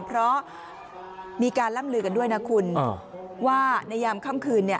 เพราะมีการล่ำลือกันด้วยนะคุณว่าในยามค่ำคืน